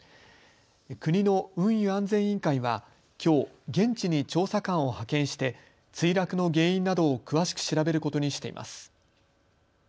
国の運輸安全委員会は、きょう、現地に調査官を派遣して墜落の原因などを詳しく調べることにしています。